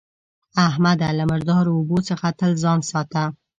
احمده! له مردارو اوبو څخه تل ځان ساته.